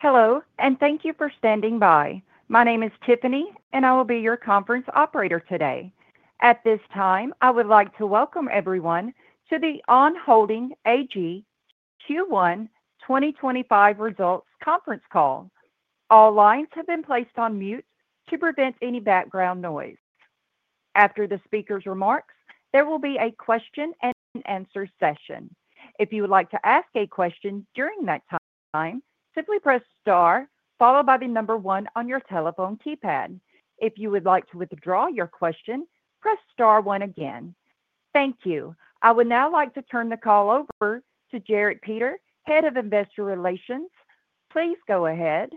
Hello, and thank you for standing by. My name is Tiffany, and I will be your conference operator today. At this time, I would like to welcome everyone to the On Holding AG Q1 2025 results conference call. All lines have been placed on mute to prevent any background noise. After the speaker's remarks, there will be a question and answer session. If you would like to ask a question during that time, simply press Star, followed by the number one on your telephone keypad. If you would like to withdraw your question, press Star one again. Thank you. I would now like to turn the call over to Jerrit Peter, Head of Investor Relations. Please go ahead.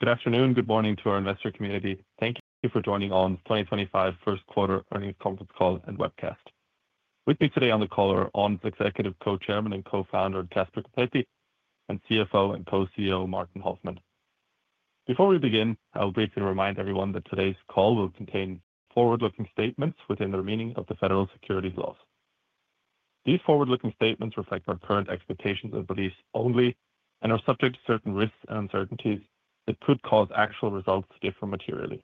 Good afternoon. Good morning to our investor community. Thank you for joining On's 2025 first quarter earnings conference call and webcast. With me today on the call are On's Executive Co-Chairman and Co-Founder Caspar Coppetti and CFO and Co-CEO Martin Hoffmann. Before we begin, I'll briefly remind everyone that today's call will contain forward-looking statements within the meaning of the federal securities laws. These forward-looking statements reflect our current expectations and beliefs only and are subject to certain risks and uncertainties that could cause actual results to differ materially.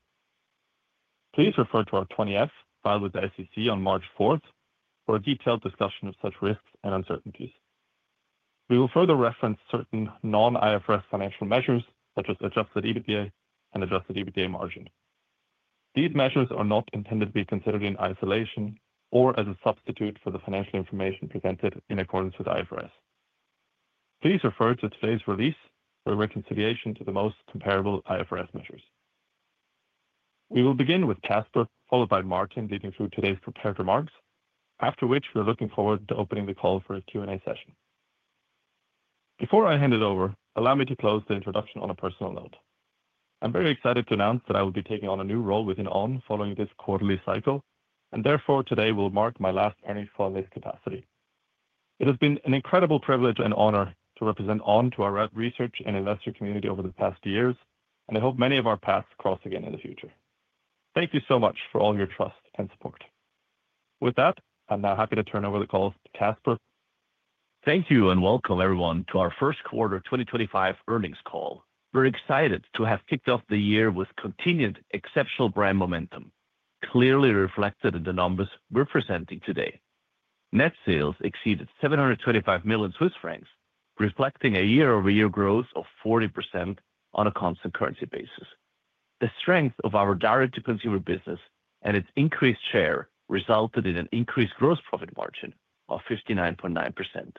Please refer to our 20-F filed with the SEC on March 4th for a detailed discussion of such risks and uncertainties. We will further reference certain non-IFRS financial measures such as adjusted EBITDA and adjusted EBITDA margin. These measures are not intended to be considered in isolation or as a substitute for the financial information presented in accordance with IFRS. Please refer to today's release for reconciliation to the most comparable IFRS measures. We will begin with Caspar, followed by Martin leading through today's prepared remarks, after which we're looking forward to opening the call for a Q&A session. Before I hand it over, allow me to close the introduction on a personal note. I'm very excited to announce that I will be taking on a new role within On following this quarterly cycle, and therefore today will mark my last earnings call in this capacity. It has been an incredible privilege and honor to represent On to our research and investor community over the past years, and I hope many of our paths cross again in the future. Thank you so much for all your trust and support. With that, I'm now happy to turn over the call to Caspar. Thank you and welcome everyone to our first quarter 2025 earnings call. We're excited to have kicked off the year with continued exceptional brand momentum, clearly reflected in the numbers we're presenting today. Net sales exceeded 725 million Swiss francs, reflecting a year-over-year growth of 40% on a constant currency basis. The strength of our direct-to-consumer business and its increased share resulted in an increased gross profit margin of 59.9%.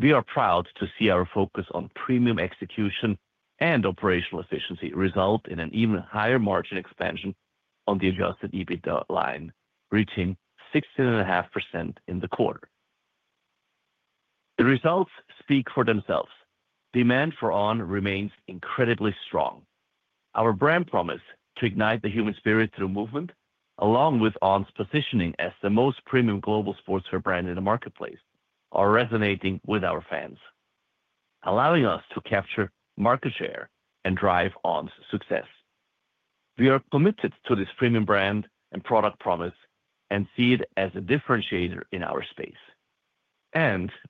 We are proud to see our focus on premium execution and operational efficiency result in an even higher margin expansion on the adjusted EBITDA line, reaching 16.5% in the quarter. The results speak for themselves. Demand for On remains incredibly strong. Our brand promise to ignite the human spirit through movement, along with On's positioning as the most premium global sportswear brand in the marketplace, are resonating with our fans, allowing us to capture market share and drive On's success. We are committed to this premium brand and product promise and see it as a differentiator in our space.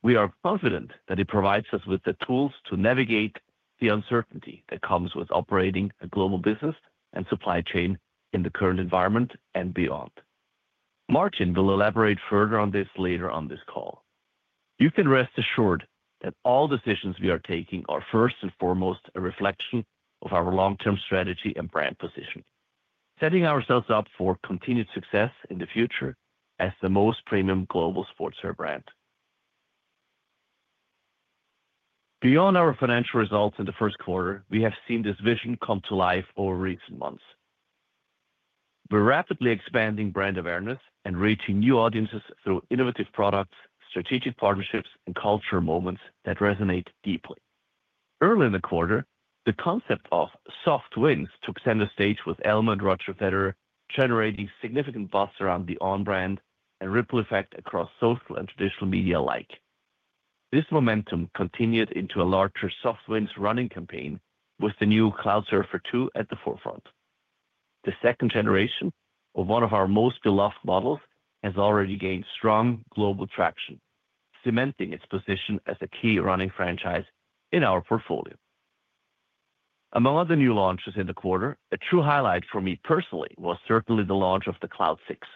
We are confident that it provides us with the tools to navigate the uncertainty that comes with operating a global business and supply chain in the current environment and beyond. Martin will elaborate further on this later on this call. You can rest assured that all decisions we are taking are first and foremost a reflection of our long-term strategy and brand position, setting ourselves up for continued success in the future as the most premium global sportswear brand. Beyond our financial results in the first quarter, we have seen this vision come to life over recent months. We're rapidly expanding brand awareness and reaching new audiences through innovative products, strategic partnerships, and cultural moments that resonate deeply. Early in the quarter, the concept of soft winds took center stage with Elmo and Roger Federer generating significant buzz around the On brand and ripple effect across social and traditional media alike. This momentum continued into a larger soft winds running campaign with the new Cloudsurfer 2 at the forefront. The second generation of one of our most beloved models has already gained strong global traction, cementing its position as a key running franchise in our portfolio. Among other new launches in the quarter, a true highlight for me personally was certainly the launch of the Cloud 6.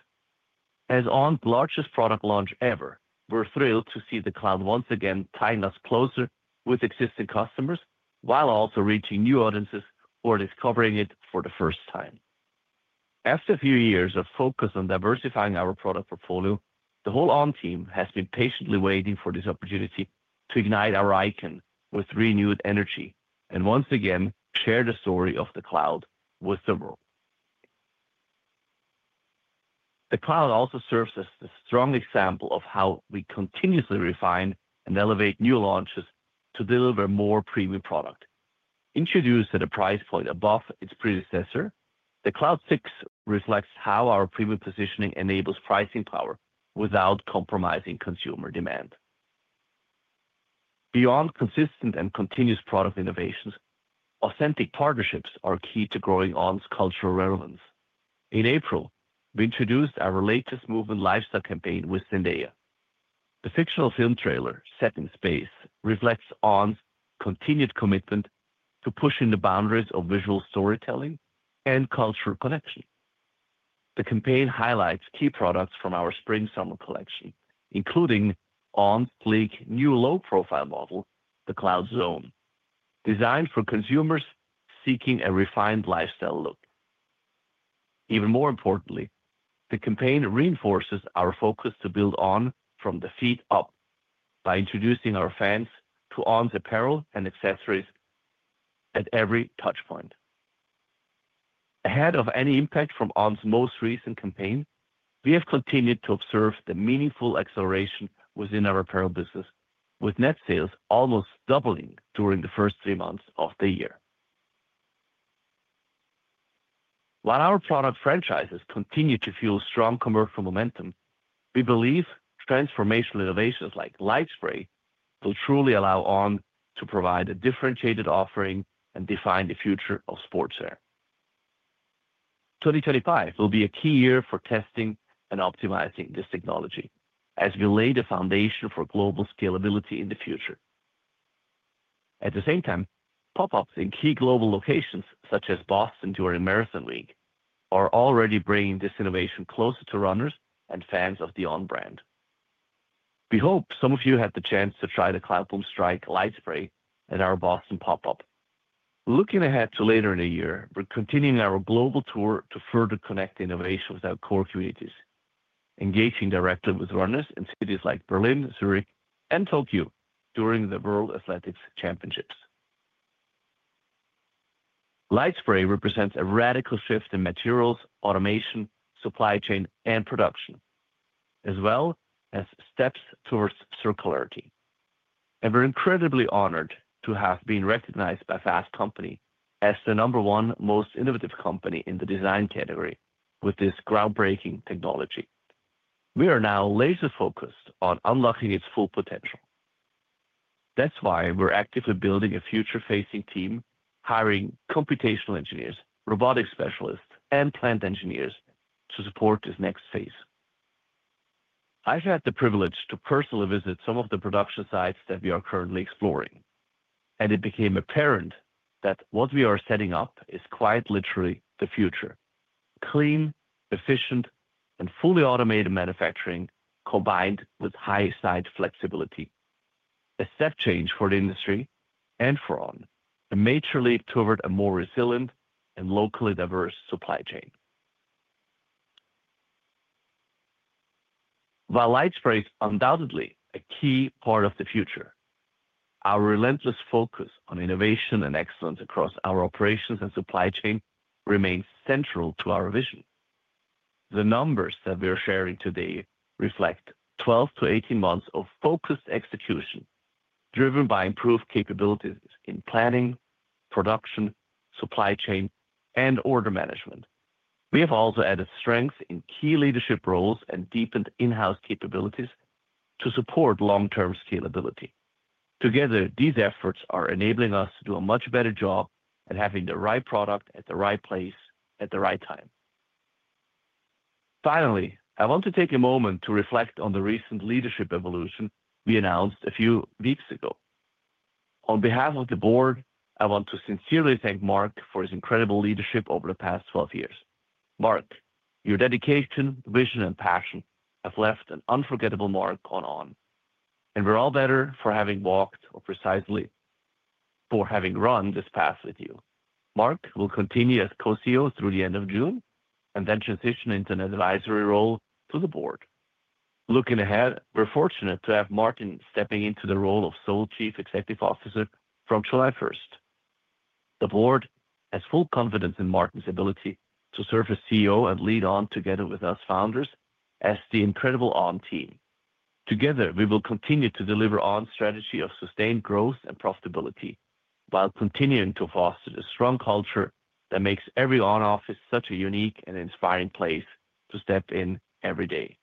As On's largest product launch ever, we're thrilled to see the Cloud once again tying us closer with existing customers while also reaching new audiences or discovering it for the first time. After a few years of focus on diversifying our product portfolio, the whole On team has been patiently waiting for this opportunity to ignite our icon with renewed energy and once again share the story of the Cloud with the world. The Cloud also serves as a strong example of how we continuously refine and elevate new launches to deliver more premium product. Introduced at a price point above its predecessor, the Cloud 6 reflects how our premium positioning enables pricing power without compromising consumer demand. Beyond consistent and continuous product innovations, authentic partnerships are key to growing On's cultural relevance. In April, we introduced our latest movement lifestyle campaign with Zendaya. The fictional film trailer set in space reflects On's continued commitment to pushing the boundaries of visual storytelling and cultural connection. The campaign highlights key products from our spring-summer collection, including On's sleek, new low-profile model, the Cloudzone, designed for consumers seeking a refined lifestyle look. Even more importantly, the campaign reinforces our focus to build On from the feet up by introducing our fans to On's apparel and accessories at every touchpoint. Ahead of any impact from On's most recent campaign, we have continued to observe the meaningful acceleration within our apparel business, with net sales almost doubling during the first three months of the year. While our product franchises continue to fuel strong commercial momentum, we believe transformational innovations like LightSpray will truly allow On to provide a differentiated offering and define the future of sportswear. 2025 will be a key year for testing and optimizing this technology as we lay the foundation for global scalability in the future. At the same time, pop-ups in key global locations such as Boston during a Marathon Week are already bringing this innovation closer to runners and fans of the On brand. We hope some of you had the chance to try the Cloudboom Strike LightSpray at our Boston pop-up. Looking ahead to later in the year, we're continuing our global tour to further connect innovation with our core communities, engaging directly with runners in cities like Berlin, Zurich, and Tokyo during the World Athletics Championships. LightSpray represents a radical shift in materials, automation, supply chain, and production, as well as steps towards circularity. We are incredibly honored to have been recognized by Fast Company as the number one most innovative company in the design category with this groundbreaking technology. We are now laser-focused on unlocking its full potential. That's why we're actively building a future-facing team, hiring computational engineers, robotics specialists, and plant engineers to support this next phase. I've had the privilege to personally visit some of the production sites that we are currently exploring, and it became apparent that what we are setting up is quite literally the future: clean, efficient, and fully automated manufacturing combined with high-side flexibility. A step change for the industry and for On, a major leap toward a more resilient and locally diverse supply chain. While LightSpray is undoubtedly a key part of the future, our relentless focus on innovation and excellence across our operations and supply chain remains central to our vision. The numbers that we are sharing today reflect 12-18 months of focused execution driven by improved capabilities in planning, production, supply chain, and order management. We have also added strengths in key leadership roles and deepened in-house capabilities to support long-term scalability. Together, these efforts are enabling us to do a much better job at having the right product at the right place at the right time. Finally, I want to take a moment to reflect on the recent leadership evolution we announced a few weeks ago. On behalf of the board, I want to sincerely thank Mark for his incredible leadership over the past 12 years. Mark, your dedication, vision, and passion have left an unforgettable mark on On, and we're all better for having walked or precisely for having run this path with you. Mark will continue as Co-CEO through the end of June and then transition into an advisory role to the board. Looking ahead, we're fortunate to have Martin stepping into the role of sole Chief Executive Officer from July 1. The board has full confidence in Martin's ability to serve as CEO and lead On together with us founders as the incredible On team. Together, we will continue to deliver On's strategy of sustained growth and profitability while continuing to foster the strong culture that makes every On office such a unique and inspiring place to step in every day.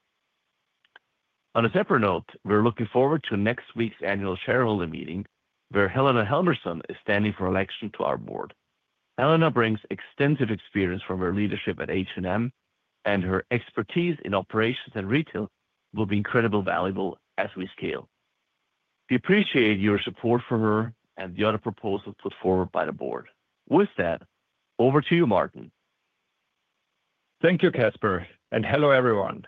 On a separate note, we're looking forward to next week's annual shareholder meeting where Helena Helmersson is standing for election to our board. Helena brings extensive experience from her leadership at H&M, and her expertise in operations and retail will be incredibly valuable as we scale. We appreciate your support for her and the other proposals put forward by the board. With that, over to you, Martin. Thank you, Caspar, and hello everyone.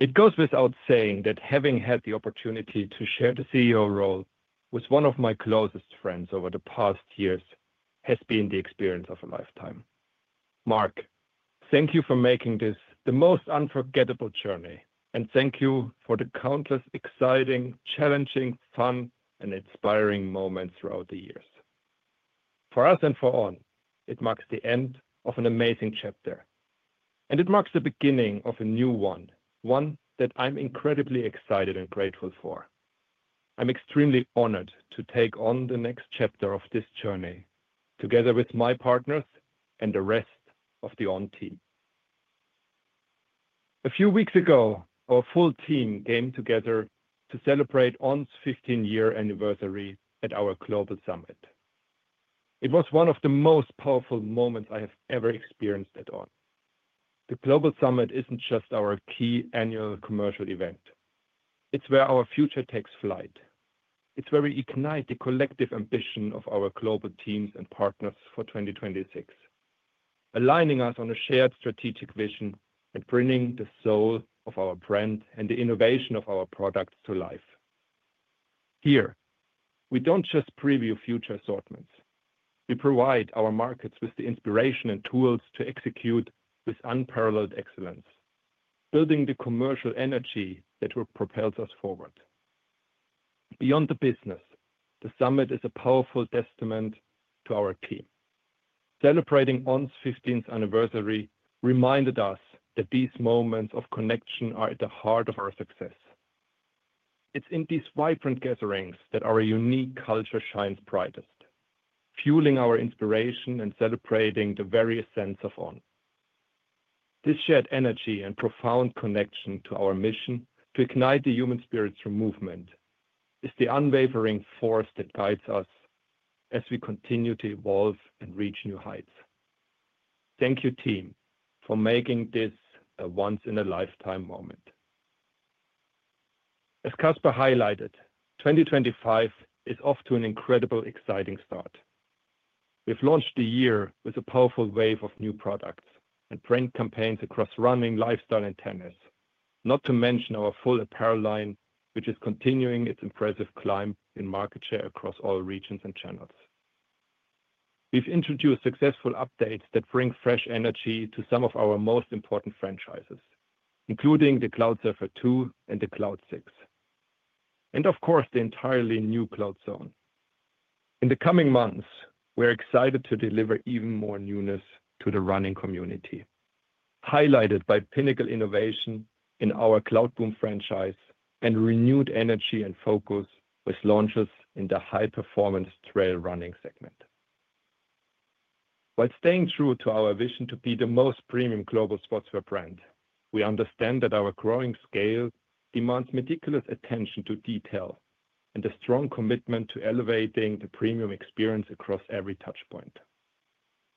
It goes without saying that having had the opportunity to share the CEO role with one of my closest friends over the past years has been the experience of a lifetime. Mark, thank you for making this the most unforgettable journey, and thank you for the countless exciting, challenging, fun, and inspiring moments throughout the years. For us and for On, it marks the end of an amazing chapter, and it marks the beginning of a new one, one that I'm incredibly excited and grateful for. I'm extremely honored to take on the next chapter of this journey together with my partners and the rest of the On team. A few weeks ago, our full team came together to celebrate On's 15-year anniversary at our Global Summit. It was one of the most powerful moments I have ever experienced at On. The Global Summit isn't just our key annual commercial event. It's where our future takes flight. It's where we ignite the collective ambition of our global teams and partners for 2026, aligning us on a shared strategic vision and bringing the soul of our brand and the innovation of our products to life. Here, we don't just preview future assortments. We provide our markets with the inspiration and tools to execute with unparalleled excellence, building the commercial energy that will propel us forward. Beyond the business, the summit is a powerful testament to our team. Celebrating On's 15th anniversary reminded us that these moments of connection are at the heart of our success. It's in these vibrant gatherings that our unique culture shines brightest, fueling our inspiration and celebrating the very essence of On. This shared energy and profound connection to our mission to ignite the human spirit through movement is the unwavering force that guides us as we continue to evolve and reach new heights. Thank you, team, for making this a once-in-a-lifetime moment. As Caspar highlighted, 2025 is off to an incredibly exciting start. We've launched the year with a powerful wave of new products and brand campaigns across running, lifestyle, and tennis, not to mention our full apparel line, which is continuing its impressive climb in market share across all regions and channels. We've introduced successful updates that bring fresh energy to some of our most important franchises, including the Cloudsurfer 2 and the Cloud 6, and of course, the entirely new Cloudzone. In the coming months, we're excited to deliver even more newness to the running community, highlighted by pinnacle innovation in our Cloudboom franchise and renewed energy and focus with launches in the high-performance trail running segment. While staying true to our vision to be the most premium global sportswear brand, we understand that our growing scale demands meticulous attention to detail and a strong commitment to elevating the premium experience across every touchpoint.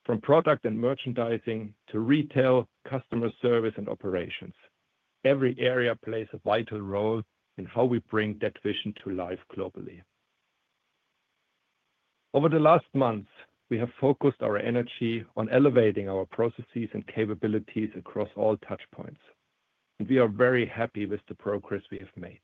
From product and merchandising to retail, customer service, and operations, every area plays a vital role in how we bring that vision to life globally. Over the last months, we have focused our energy on elevating our processes and capabilities across all touchpoints, and we are very happy with the progress we have made.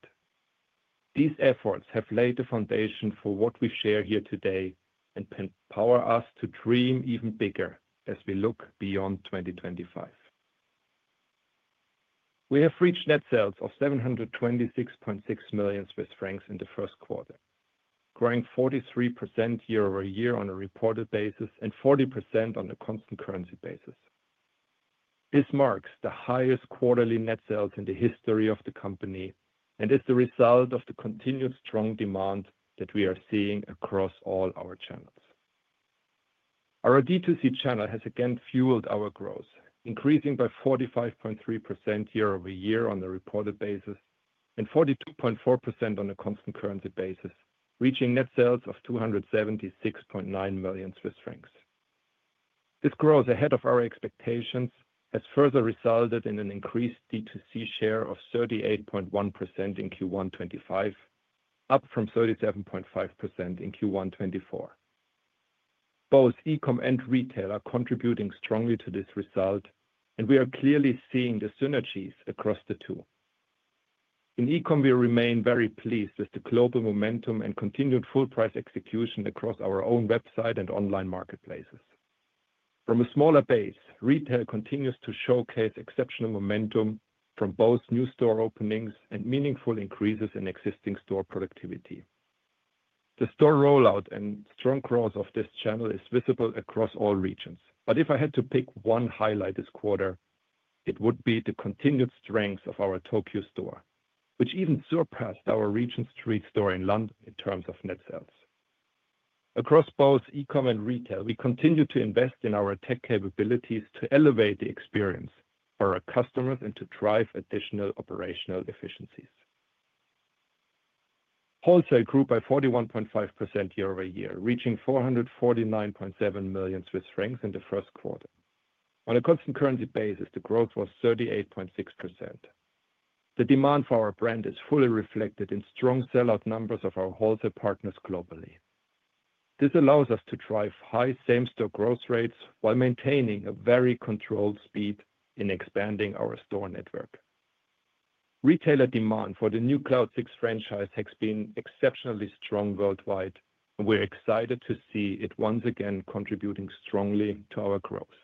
These efforts have laid the foundation for what we share here today and power us to dream even bigger as we look beyond 2025. We have reached net sales of 726.6 million Swiss francs in the first quarter, growing 43% year-over-year on a reported basis and 40% on a constant currency basis. This marks the highest quarterly net sales in the history of the company and is the result of the continued strong demand that we are seeing across all our channels. Our D2C channel has again fueled our growth, increasing by 45.3% year-over-year on a reported basis and 42.4% on a constant currency basis, reaching net sales of 276.9 million Swiss francs. This growth ahead of our expectations has further resulted in an increased D2C share of 38.1% in Q1 2025, up from 37.5% in Q1 2024. Both e-com and retail are contributing strongly to this result, and we are clearly seeing the synergies across the two. In e-com, we remain very pleased with the global momentum and continued full-price execution across our own website and online marketplaces. From a smaller base, retail continues to showcase exceptional momentum from both new store openings and meaningful increases in existing store productivity. The store rollout and strong growth of this channel is visible across all regions. If I had to pick one highlight this quarter, it would be the continued strength of our Tokyo store, which even surpassed our region's three-store in London in terms of net sales. Across both e-com and retail, we continue to invest in our tech capabilities to elevate the experience for our customers and to drive additional operational efficiencies. Wholesale grew by 41.5% year-over-year, reaching 449.7 million Swiss francs in the first quarter. On a constant currency basis, the growth was 38.6%. The demand for our brand is fully reflected in strong sellout numbers of our wholesale partners globally. This allows us to drive high same-store growth rates while maintaining a very controlled speed in expanding our store network. Retailer demand for the new Cloud 6 franchise has been exceptionally strong worldwide, and we're excited to see it once again contributing strongly to our growth.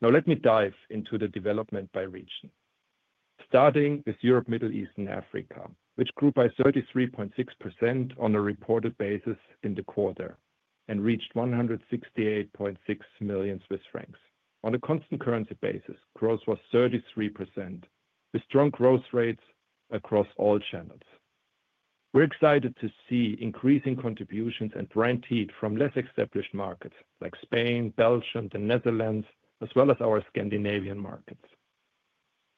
Now let me dive into the development by region, starting with Europe, Middle East, and Africa, which grew by 33.6% on a reported basis in the quarter and reached 168.6 million Swiss francs. On a constant currency basis, growth was 33% with strong growth rates across all channels. We're excited to see increasing contributions and brand heat from less established markets like Spain, Belgium, the Netherlands, as well as our Scandinavian markets.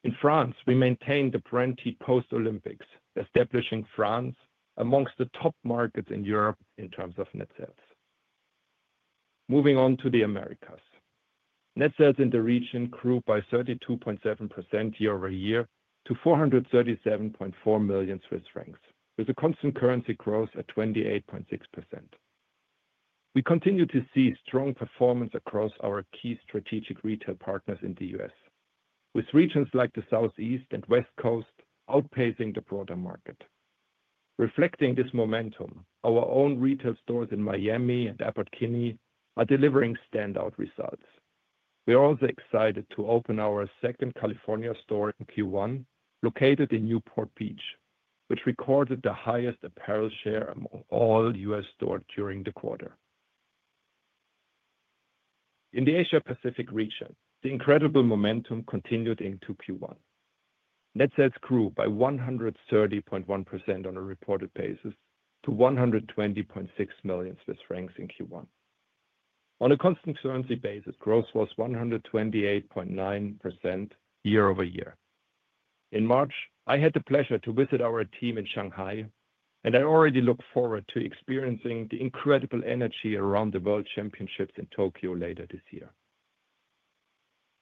In France, we maintained the brand heat post-Olympics, establishing France amongst the top markets in Europe in terms of net sales. Moving on to the Americas, net sales in the region grew by 32.7% year-over-year to 437.4 million Swiss francs with a constant currency growth at 28.6%. We continue to see strong performance across our key strategic retail partners in the U.S., with regions like the Southeast and West Coast outpacing the broader market. Reflecting this momentum, our own retail stores in Miami and Newport Beach are delivering standout results. We're also excited to open our second California store in Q1, located in Newport Beach, which recorded the highest apparel share among all U.S. stores during the quarter. In the Asia-Pacific region, the incredible momentum continued into Q1. Net sales grew by 130.1% on a reported basis to 120.6 million Swiss francs in Q1. On a constant currency basis, growth was 128.9% year-over-year. In March, I had the pleasure to visit our team in Shanghai, and I already look forward to experiencing the incredible energy around the World Championships in Tokyo later this year.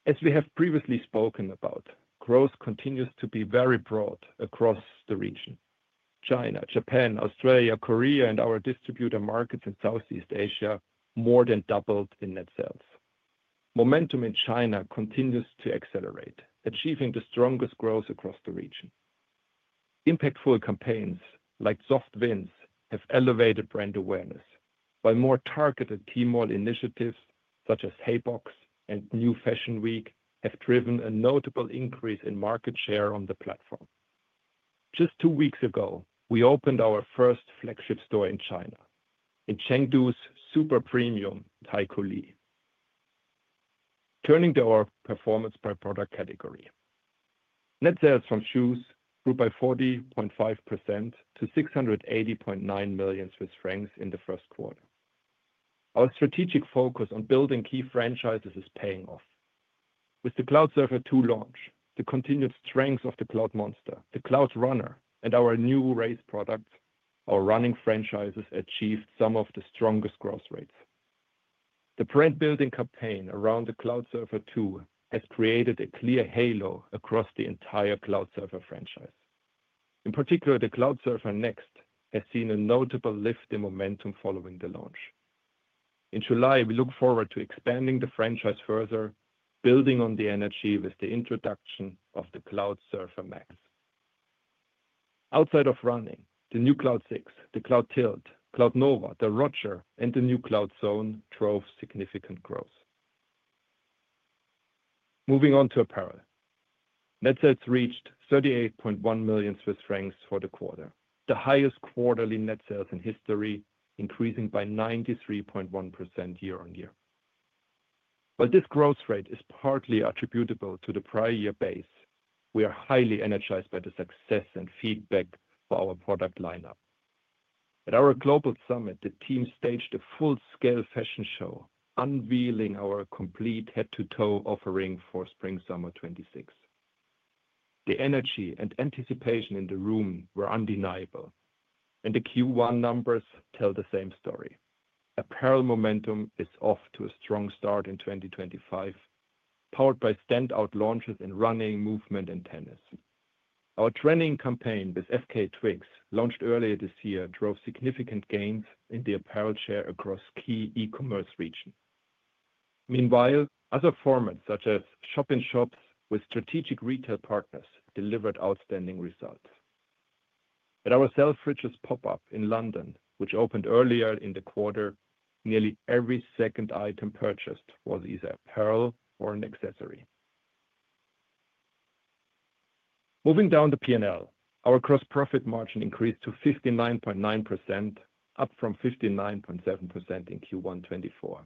As we have previously spoken about, growth continues to be very broad across the region. China, Japan, Australia, Korea, and our distributor markets in Southeast Asia more than doubled in net sales. Momentum in China continues to accelerate, achieving the strongest growth across the region. Impactful campaigns like Soft Wins have elevated brand awareness, while more targeted teamwork initiatives such as Haybox and New Fashion Week have driven a notable increase in market share on the platform. Just two weeks ago, we opened our first flagship store in China, in Chengdu's Super Premium Taikoo Li. Turning to our performance by product category, net sales from shoes grew by 40.5% to 680.9 million Swiss francs in the first quarter. Our strategic focus on building key franchises is paying off. With the Cloudsurfer 2 launch, the continued strength of the Cloud Monster, the Cloud Runner, and our new race product, our running franchises achieved some of the strongest growth rates. The brand building campaign around the Cloudsurfer 2 has created a clear halo across the entire Cloudsurfer franchise. In particular, the Cloudsurfer Next has seen a notable lift in momentum following the launch. In July, we look forward to expanding the franchise further, building on the energy with the introduction of the Cloudsurfer Max. Outside of running, the new Cloud 6, the Cloudtilt, Cloudnova, THE ROGER, and the new Cloudzone drove significant growth. Moving on to apparel, net sales reached 38.1 million Swiss francs for the quarter, the highest quarterly net sales in history, increasing by 93.1% year-on-year. While this growth rate is partly attributable to the prior year base, we are highly energized by the success and feedback for our product lineup. At our Global Summit, the team staged a full-scale fashion show, unveiling our complete head-to-toe offering for Spring/Summer 2026. The energy and anticipation in the room were undeniable, and the Q1 numbers tell the same story. Apparel momentum is off to a strong start in 2025, powered by standout launches in running, movement, and tennis. Our training campaign with FKA twigs, launched earlier this year, drove significant gains in the apparel share across key e-commerce regions. Meanwhile, other formats such as shop-in-shops with strategic retail partners delivered outstanding results. At our Selfridges pop-up in London, which opened earlier in the quarter, nearly every second item purchased was either apparel or an accessory. Moving down the P&L, our gross profit margin increased to 59.9%, up from 59.7% in Q1 2024,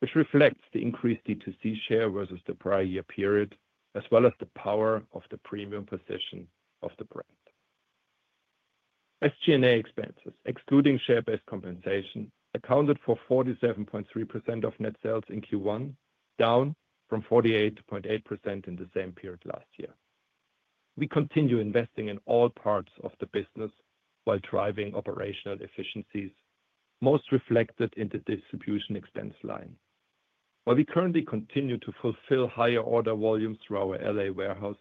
which reflects the increased D2C share versus the prior year period, as well as the power of the premium position of the brand. SG&A expenses, excluding share-based compensation, accounted for 47.3% of net sales in Q1, down from 48.8% in the same period last year. We continue investing in all parts of the business while driving operational efficiencies, most reflected in the distribution expense line. While we currently continue to fulfill higher order volumes through our Los Angeles warehouse,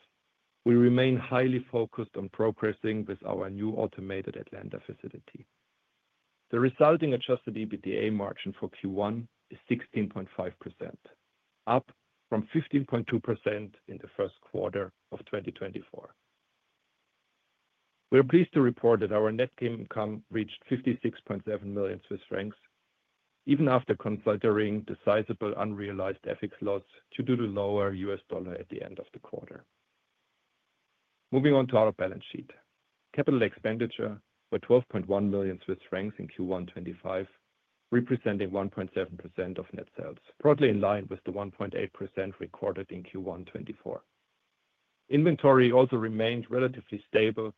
we remain highly focused on progressing with our new automated Atlanta facility. The resulting adjusted EBITDA margin for Q1 is 16.5%, up from 15.2% in the first quarter of 2024. We're pleased to report that our net income reached 56.7 million Swiss francs, even after considering the sizable unrealized FX loss due to the lower US dollar at the end of the quarter. Moving on to our balance sheet, capital expenditure was 12.1 million Swiss francs in Q1 2025, representing 1.7% of net sales, broadly in line with the 1.8% recorded in Q1 2024. Inventory also remained relatively stable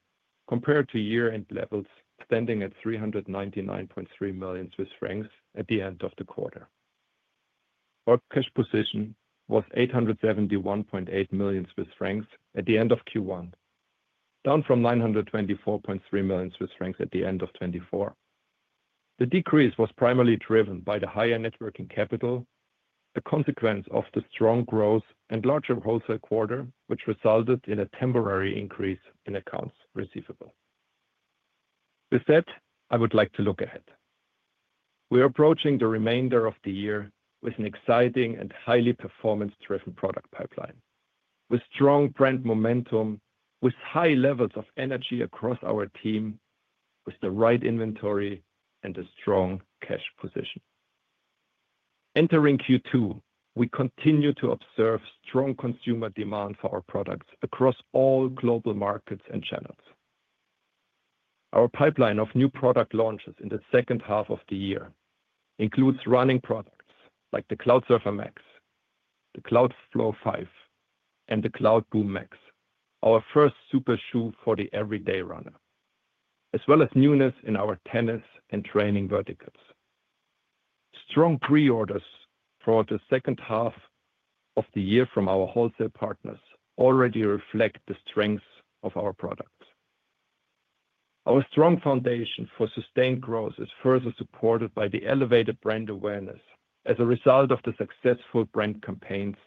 compared to year-end levels, standing at 399.3 million Swiss francs at the end of the quarter. Our cash position was 871.8 million Swiss francs at the end of Q1, down from 924.3 million Swiss francs at the end of 2024. The decrease was primarily driven by the higher networking capital, a consequence of the strong growth and larger wholesale quarter, which resulted in a temporary increase in accounts receivable. With that, I would like to look ahead. We are approaching the remainder of the year with an exciting and highly performance-driven product pipeline, with strong brand momentum, with high levels of energy across our team, with the right inventory and a strong cash position. Entering Q2, we continue to observe strong consumer demand for our products across all global markets and channels. Our pipeline of new product launches in the second half of the year includes running products like the Cloudsurfer Max, the Cloudflow 5, and the Cloudboom Max, our first super shoe for the everyday runner, as well as newness in our tennis and training verticals. Strong pre-orders for the second half of the year from our wholesale partners already reflect the strengths of our products. Our strong foundation for sustained growth is further supported by the elevated brand awareness as a result of the successful brand campaigns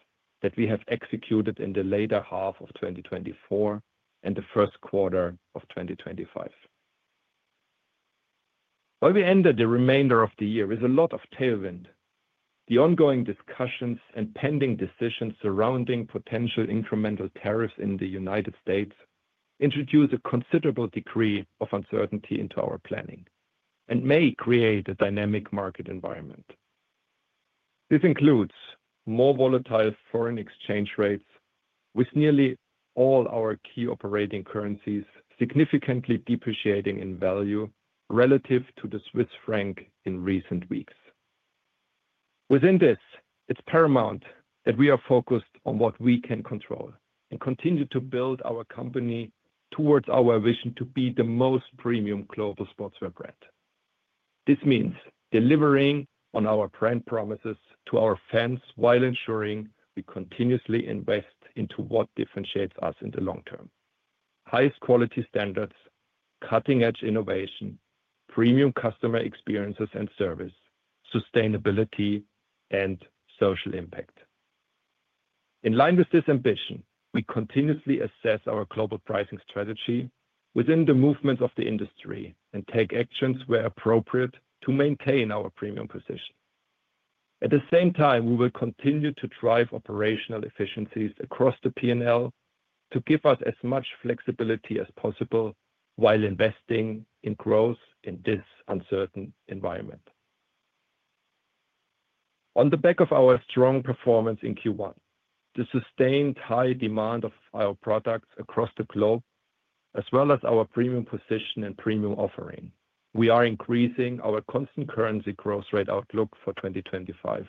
that we have executed in the latter half of 2024 and the first quarter of 2025. While we ended the remainder of the year with a lot of tailwind, the ongoing discussions and pending decisions surrounding potential incremental tariffs in the U.S. introduce a considerable degree of uncertainty into our planning and may create a dynamic market environment. This includes more volatile foreign exchange rates, with nearly all our key operating currencies significantly depreciating in value relative to the Swiss franc in recent weeks. Within this, it's paramount that we are focused on what we can control and continue to build our company towards our vision to be the most premium global sportswear brand. This means delivering on our brand promises to our fans while ensuring we continuously invest into what differentiates us in the long term: highest quality standards, cutting-edge innovation, premium customer experiences and service, sustainability, and social impact. In line with this ambition, we continuously assess our global pricing strategy within the movements of the industry and take actions where appropriate to maintain our premium position. At the same time, we will continue to drive operational efficiencies across the P&L to give us as much flexibility as possible while investing in growth in this uncertain environment. On the back of our strong performance in Q1, the sustained high demand of our products across the globe, as well as our premium position and premium offering, we are increasing our constant currency growth rate outlook for 2025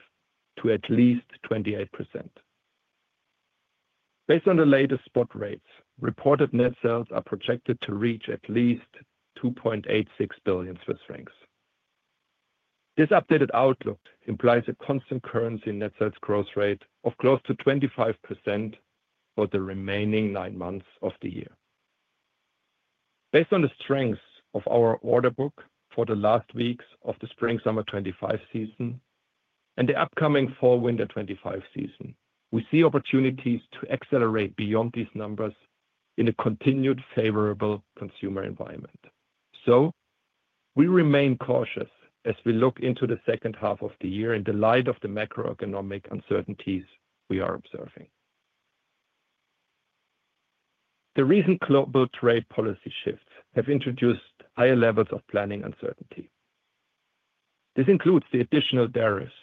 to at least 28%. Based on the latest spot rates, reported net sales are projected to reach at least 2.86 billion Swiss francs. This updated outlook implies a constant currency net sales growth rate of close to 25% for the remaining nine months of the year. Based on the strengths of our order book for the last weeks of the Spring/Summer 2025 season and the upcoming Fall/Winter 2025 season, we see opportunities to accelerate beyond these numbers in a continued favorable consumer environment. We remain cautious as we look into the second half of the year in the light of the macroeconomic uncertainties we are observing. The recent global trade policy shifts have introduced higher levels of planning uncertainty. This includes the additional tariffs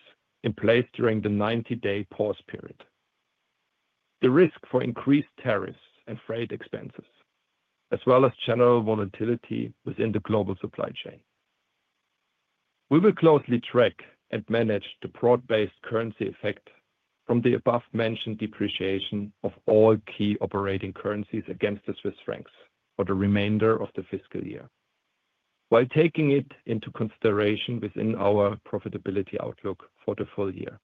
in place during the 90-day pause period, the risk for increased tariffs and freight expenses, as well as general volatility within the global supply chain. We will closely track and manage the broad-based currency effect from the above-mentioned depreciation of all key operating currencies against the Swiss franc for the remainder of the fiscal year, while taking it into consideration within our profitability outlook for the full year.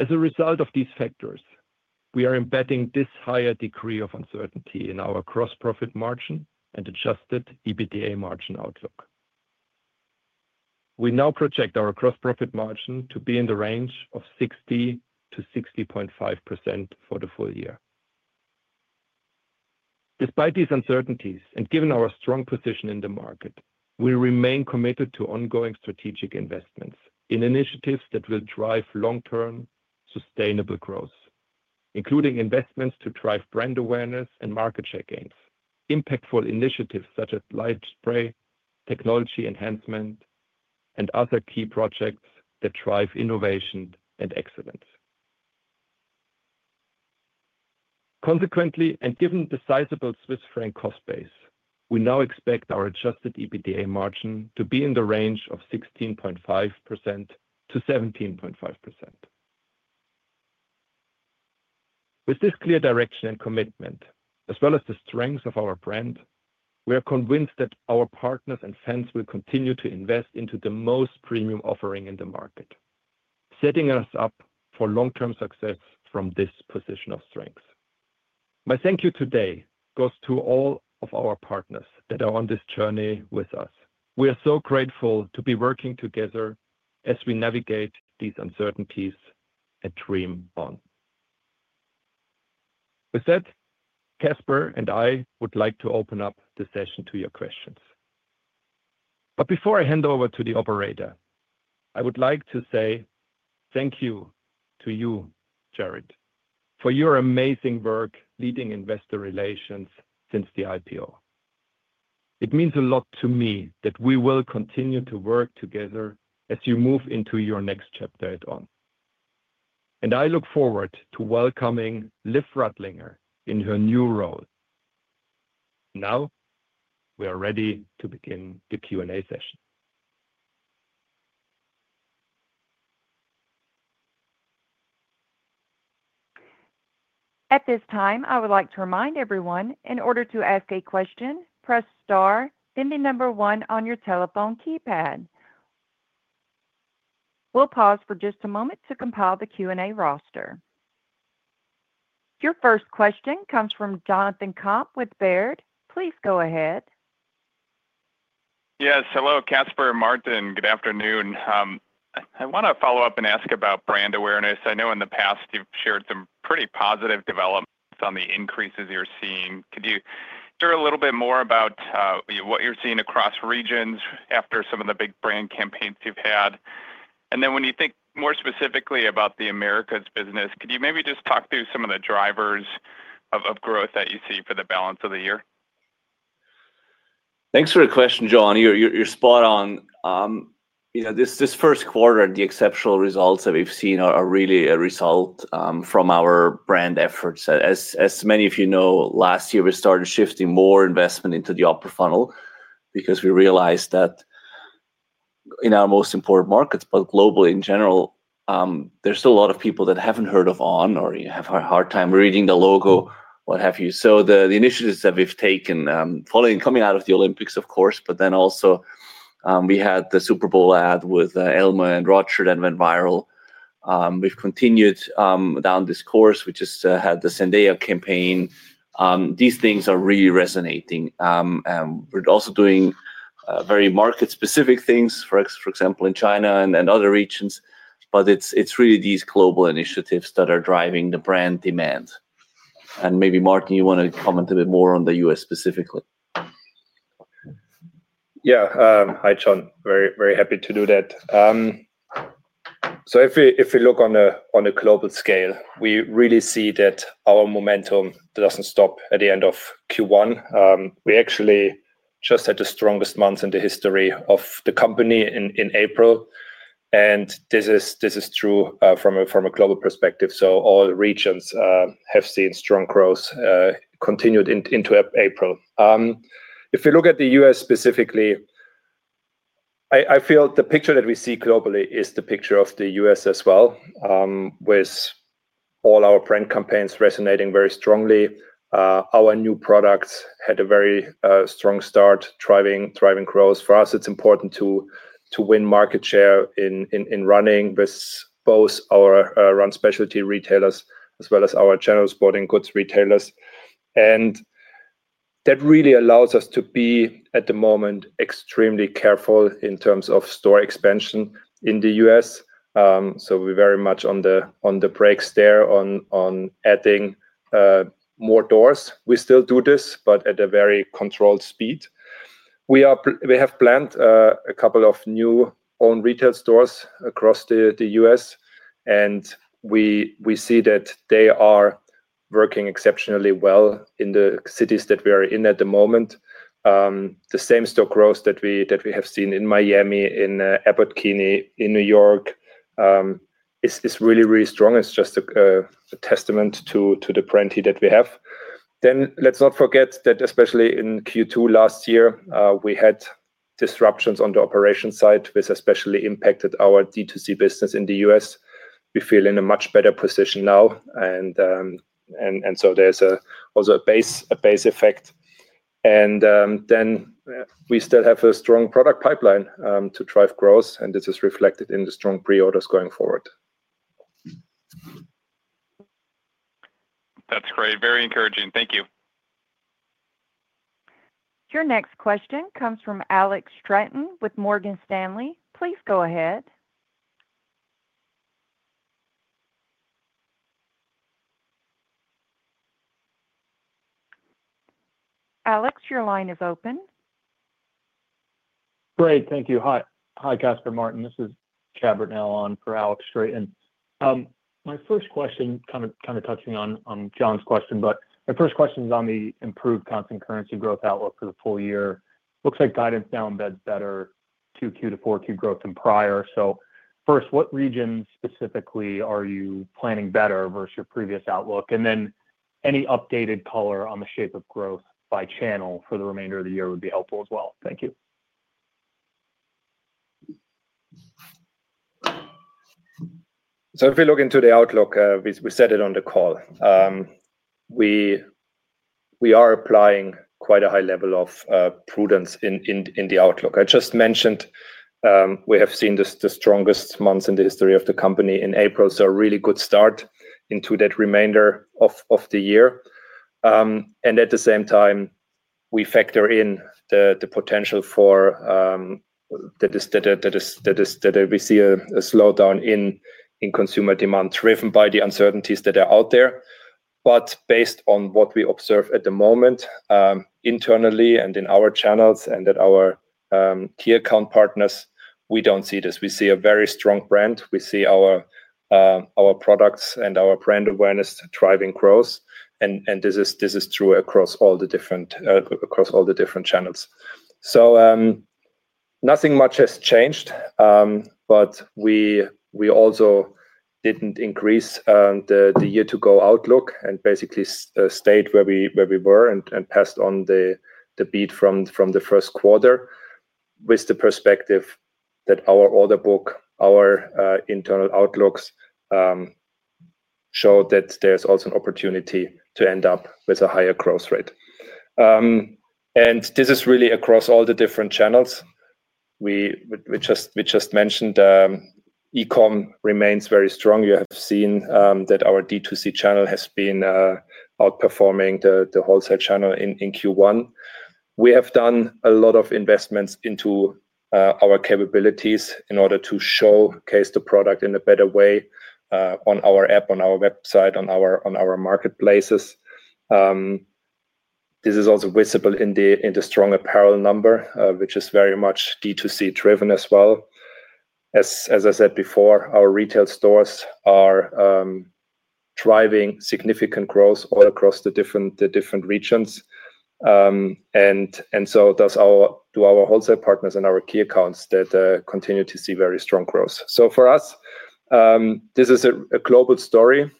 As a result of these factors, we are embedding this higher degree of uncertainty in our gross profit margin and adjusted EBITDA margin outlook. We now project our gross profit margin to be in the range of 60%-60.5% for the full year. Despite these uncertainties and given our strong position in the market, we remain committed to ongoing strategic investments in initiatives that will drive long-term sustainable growth, including investments to drive brand awareness and market share gains, impactful initiatives such as LightSpray technology enhancement, and other key projects that drive innovation and excellence. Consequently, and given the sizable Swiss franc cost base, we now expect our adjusted EBITDA margin to be in the range of 16.5%-17.5%. With this clear direction and commitment, as well as the strength of our brand, we are convinced that our partners and fans will continue to invest into the most premium offering in the market, setting us up for long-term success from this position of strength. My thank you today goes to all of our partners that are on this journey with us. We are so grateful to be working together as we navigate these uncertainties and dream on. With that, Caspar and I would like to open up the session to your questions. Before I hand over to the operator, I would like to say thank you to you, Jerrit, for your amazing work leading investor relations since the IPO. It means a lot to me that we will continue to work together as you move into your next chapter at On. I look forward to welcoming Liv Reutlinger in her new role. Now we are ready to begin the Q&A session. At this time, I would like to remind everyone, in order to ask a question, press star, then the number one on your telephone keypad. We'll pause for just a moment to compile the Q&A roster. Your first question comes from Jonathan Komp with Baird. Please go ahead. Yes. Hello, Caspar and Martin. Good afternoon. I want to follow up and ask about brand awareness. I know in the past you've shared some pretty positive developments on the increases you're seeing. Could you share a little bit more about what you're seeing across regions after some of the big brand campaigns you've had? When you think more specifically about the Americas business, could you maybe just talk through some of the drivers of growth that you see for the balance of the year? Thanks for the question, John. You're spot on. This first quarter, the exceptional results that we've seen are really a result from our brand efforts. As many of you know, last year we started shifting more investment into the upper funnel because we realized that in our most important markets, but globally in general, there's still a lot of people that haven't heard of On or have a hard time reading the logo, what have you. The initiatives that we've taken, coming out of the Olympics, of course, but then also we had the Super Bowl ad with Elmo and Rothschild and went viral. We've continued down this course, which has had the Zendaya campaign. These things are really resonating. We're also doing very market-specific things, for example, in China and other regions, but it's really these global initiatives that are driving the brand demand. Maybe, Martin, you want to comment a bit more on the U.S. specifically? Yeah. Hi, John. Very happy to do that. If we look on a global scale, we really see that our momentum does not stop at the end of Q1. We actually just had the strongest months in the history of the company in April. This is true from a global perspective. All regions have seen strong growth continued into April. If we look at the U.S. specifically, I feel the picture that we see globally is the picture of the U.S. as well, with all our brand campaigns resonating very strongly. Our new products had a very strong start, driving growth. For us, it is important to win market share in running with both our run specialty retailers as well as our general sporting goods retailers. That really allows us to be at the moment extremely careful in terms of store expansion in the U.S. We're very much on the brakes there on adding more doors. We still do this, but at a very controlled speed. We have planned a couple of new own retail stores across the U.S., and we see that they are working exceptionally well in the cities that we are in at the moment. The same store growth that we have seen in Miami, in Abercrombie, in New York is really, really strong. It's just a testament to the brand that we have. Let's not forget that especially in Q2 last year, we had disruptions on the operation side, which especially impacted our D2C business in the U.S. We feel in a much better position now, and so there's also a base effect. We still have a strong product pipeline to drive growth, and this is reflected in the strong pre-orders going forward. That's great. Very encouraging. Thank you. Your next question comes from Alex Straton with Morgan Stanley. Please go ahead. Alex, your line is open. Great. Thank you. Hi, Caspar, Martin. This is Chad Britnell on for Alex Straton. My first question, kind of touching on John's question, but my first question is on the improved constant currency growth outlook for the full year. Looks like guidance now embeds better Q2-Q4 growth than prior. First, what regions specifically are you planning better versus your previous outlook? Any updated color on the shape of growth by channel for the remainder of the year would be helpful as well. Thank you. If we look into the outlook, we said it on the call. We are applying quite a high level of prudence in the outlook. I just mentioned we have seen the strongest months in the history of the company in April, so a really good start into that remainder of the year. At the same time, we factor in the potential for that we see a slowdown in consumer demand driven by the uncertainties that are out there. Based on what we observe at the moment internally and in our channels and at our key account partners, we don't see this. We see a very strong brand. We see our products and our brand awareness driving growth. This is true across all the different channels. Nothing much has changed, but we also did not increase the year-to-go outlook and basically stayed where we were and passed on the beat from the first quarter with the perspective that our order book, our internal outlooks show that there is also an opportunity to end up with a higher growth rate. This is really across all the different channels. We just mentioned e-comm remains very strong. You have seen that our D2C channel has been outperforming the wholesale channel in Q1. We have done a lot of investments into our capabilities in order to showcase the product in a better way on our app, on our website, on our marketplaces. This is also visible in the strong apparel number, which is very much D2C-driven as well. As I said before, our retail stores are driving significant growth all across the different regions. Our wholesale partners and our key accounts continue to see very strong growth. For us, this is a global story.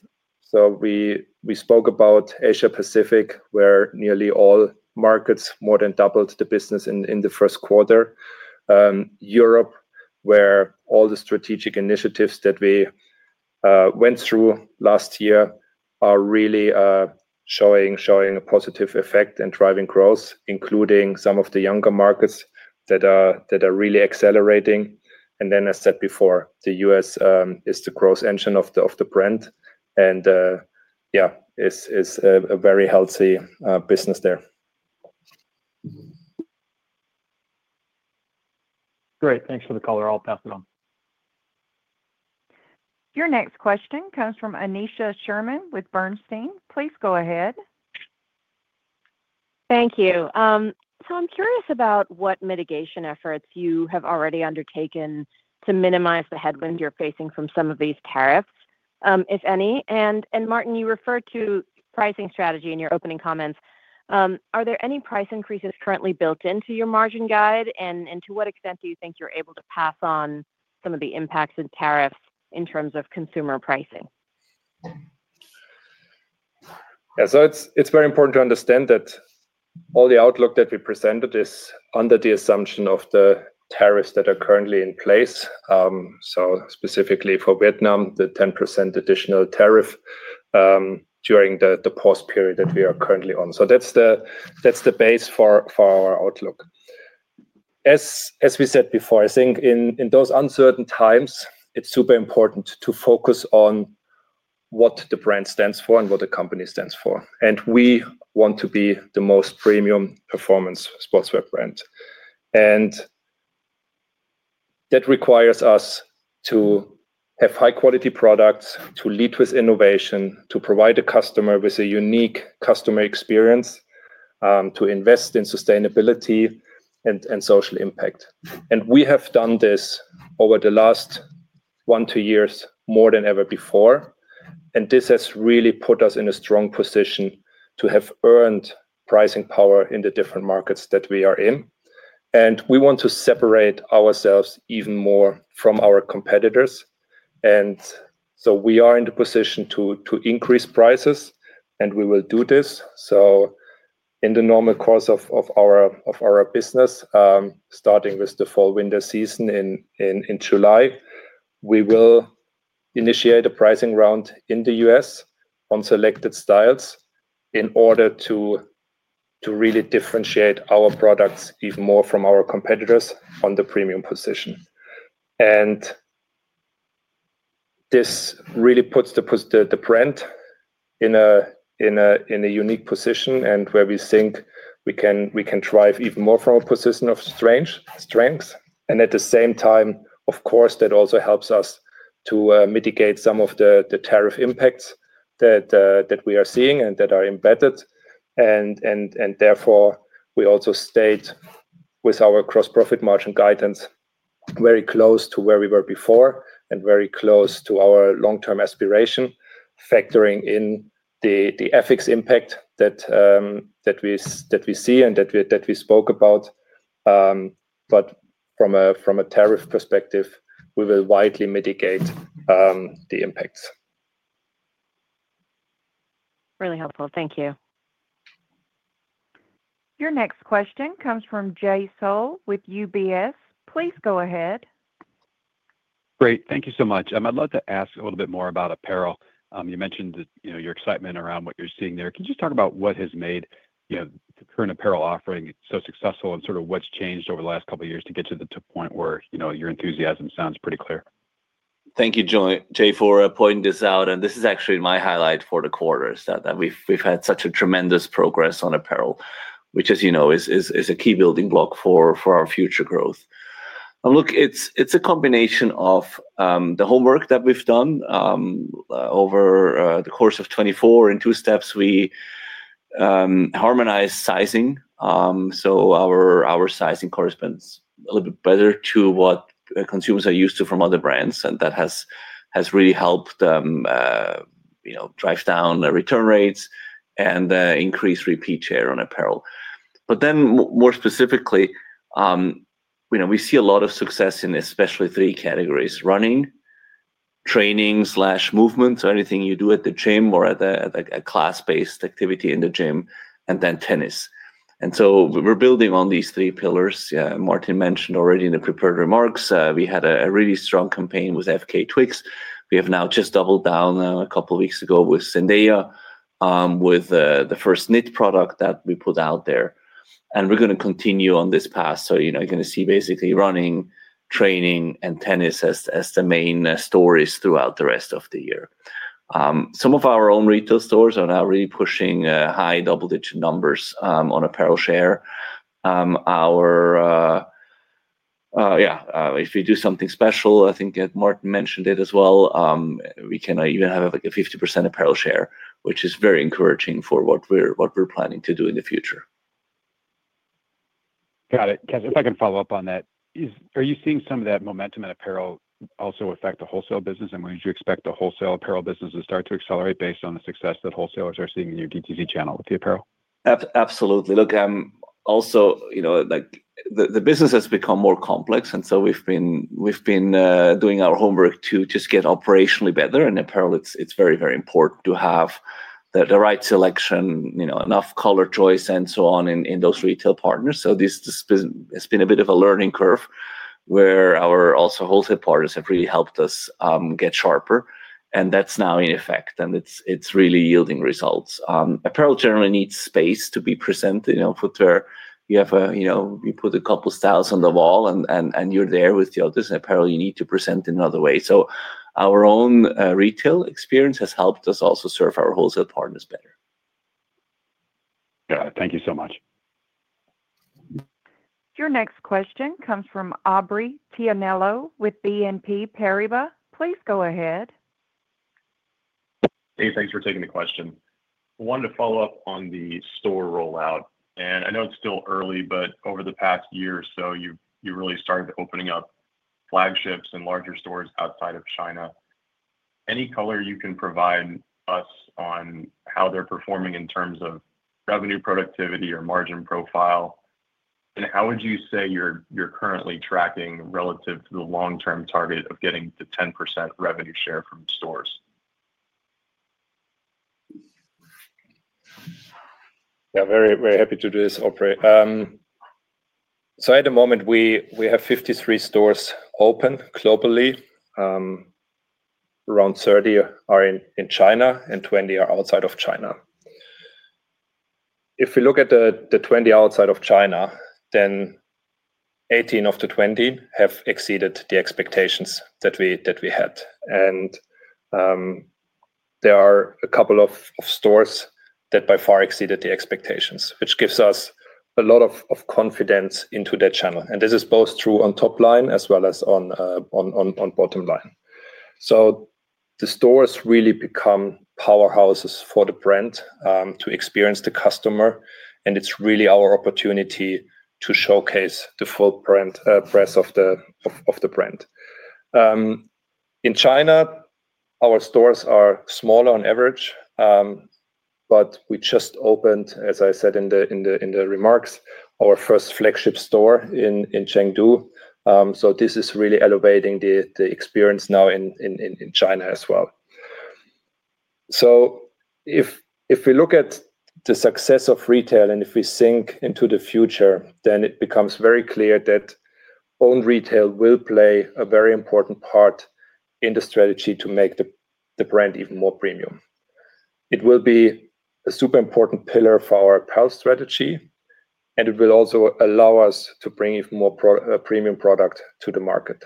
We spoke about Asia-Pacific, where nearly all markets more than doubled the business in the first quarter. Europe, where all the strategic initiatives that we went through last year are really showing a positive effect and driving growth, including some of the younger markets that are really accelerating. As said before, the U.S. is the growth engine of the brand. It's a very healthy business there. Great. Thanks for the call. I'll pass it on. Your next question comes from Aneesha Sherman with Bernstein. Please go ahead. Thank you. I'm curious about what mitigation efforts you have already undertaken to minimize the headwinds you're facing from some of these tariffs, if any. Martin, you referred to pricing strategy in your opening comments. Are there any price increases currently built into your margin guide, and to what extent do you think you're able to pass on some of the impacts of tariffs in terms of consumer pricing? Yeah. It's very important to understand that all the outlook that we presented is under the assumption of the tariffs that are currently in place. Specifically for Vietnam, the 10% additional tariff during the pause period that we are currently on. That's the base for our outlook. As we said before, I think in those uncertain times, it's super important to focus on what the brand stands for and what the company stands for. We want to be the most premium performance sportswear brand. That requires us to have high-quality products, to lead with innovation, to provide a customer with a unique customer experience, to invest in sustainability and social impact. We have done this over the last one to two years more than ever before. This has really put us in a strong position to have earned pricing power in the different markets that we are in. We want to separate ourselves even more from our competitors. We are in the position to increase prices, and we will do this. In the normal course of our business, starting with the fall winter season in July, we will initiate a pricing round in the U.S. on selected styles in order to really differentiate our products even more from our competitors on the premium position. This really puts the brand in a unique position and where we think we can drive even more from a position of strength. At the same time, of course, that also helps us to mitigate some of the tariff impacts that we are seeing and that are embedded. Therefore, we also stayed with our gross profit margin guidance very close to where we were before and very close to our long-term aspiration, factoring in the FX impact that we see and that we spoke about. From a tariff perspective, we will widely mitigate the impacts. Really helpful. Thank you. Your next question comes from Jay Sole with UBS. Please go ahead. Great. Thank you so much. I'd love to ask a little bit more about apparel. You mentioned your excitement around what you're seeing there. Can you just talk about what has made the current apparel offering so successful and sort of what's changed over the last couple of years to get you to the point where your enthusiasm sounds pretty clear? Thank you, Jay, for pointing this out. This is actually my highlight for the quarter that we've had such a tremendous progress on apparel, which, as you know, is a key building block for our future growth. Look, it's a combination of the homework that we've done over the course of 2024 in two steps. We harmonized sizing. Our sizing corresponds a little bit better to what consumers are used to from other brands. That has really helped drive down return rates and increase repeat share on apparel. Then more specifically, we see a lot of success in especially three categories: running, training/movement, so anything you do at the gym or at a class-based activity in the gym, and then tennis. We are building on these three pillars. Martin mentioned already in the prepared remarks, we had a really strong campaign with FKA twigs. We have now just doubled down a couple of weeks ago with Zendaya with the first knit product that we put out there. We are going to continue on this path. You are going to see basically running, training, and tennis as the main stories throughout the rest of the year. Some of our own retail stores are now really pushing high double-digit numbers on apparel share. Yeah. If we do something special, I think Martin mentioned it as well, we can even have a 50% apparel share, which is very encouraging for what we're planning to do in the future. Got it. If I can follow up on that, are you seeing some of that momentum in apparel also affect the wholesale business? And would you expect the wholesale apparel business to start to accelerate based on the success that wholesalers are seeing in your D2C channel with the apparel? Absolutely. Look, also, the business has become more complex. We've been doing our homework to just get operationally better. Apparel, it's very, very important to have the right selection, enough color choice, and so on in those retail partners. It's been a bit of a learning curve where our wholesale partners have really helped us get sharper. That's now in effect. It's really yielding results. Apparel generally needs space to be presented. You have a couple of styles on the wall, and you're there with the others. Apparel, you need to present in another way. Our own retail experience has helped us also serve our wholesale partners better. Thank you so much. Your next question comes from Aubrey Tianello with BNP Paribas. Please go ahead. Hey, thanks for taking the question. I wanted to follow up on the store rollout. I know it's still early, but over the past year or so, you really started opening up flagships and larger stores outside of China. Any color you can provide us on how they're performing in terms of revenue productivity or margin profile? How would you say you're currently tracking relative to the long-term target of getting the 10% revenue share from stores? Very happy to do this, Aubrey. At the moment, we have 53 stores open globally. Around 30 are in China and 20 are outside of China. If we look at the 20 outside of China, 18 of the 20 have exceeded the expectations that we had. There are a couple of stores that by far exceeded the expectations, which gives us a lot of confidence into that channel. This is both true on top line as well as on bottom line. The stores really become powerhouses for the brand to experience the customer. It's really our opportunity to showcase the full breadth of the brand. In China, our stores are smaller on average. We just opened, as I said in the remarks, our first flagship store in Chengdu. This is really elevating the experience now in China as well. If we look at the success of retail and if we think into the future, then it becomes very clear that owned retail will play a very important part in the strategy to make the brand even more premium. It will be a super important pillar for our apparel strategy. And it will also allow us to bring even more premium product to the market.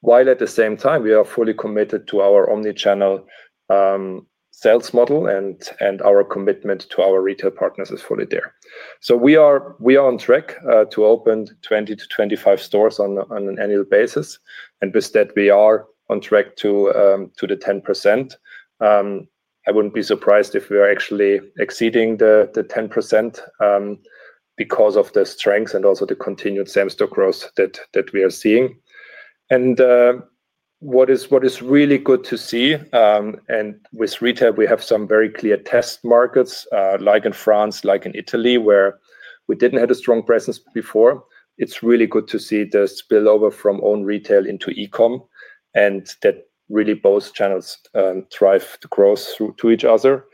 While at the same time, we are fully committed to our omnichannel sales model and our commitment to our retail partners is fully there. We are on track to open 20-25 stores on an annual basis. With that, we are on track to the 10%. I wouldn't be surprised if we are actually exceeding the 10% because of the strength and also the continued same-stock growth that we are seeing. What is really good to see, and with retail, we have some very clear test markets like in France, like in Italy, where we didn't have a strong presence before. It's really good to see the spillover from owned retail into e-comm. That really both channels thrive to growth to each other.